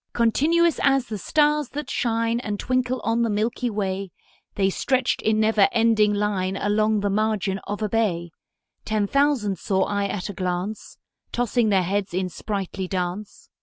Continuous as the stars that shine And twinkle on the milky way, The stretched in never ending line Along the margin of a bay: Ten thousand saw I at a glance, Tossing their heads in sprightly dance.